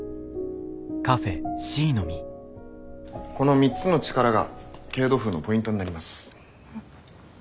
この３つの力が傾度風のポイントになります。